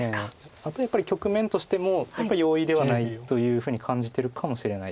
あと局面としてもやっぱり容易ではないというふうに感じてるかもしれないです。